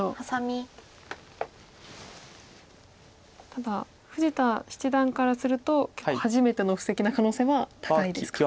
ただ富士田七段からすると結構初めての布石の可能性は高いですか。